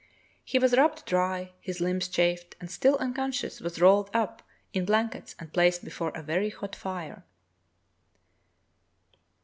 He was rubbed dry, his limbs chafed, and, still unconscious, was rolled up in blankets and placed before a very hot fire.